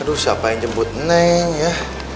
aduh siapa yang jemput neng ya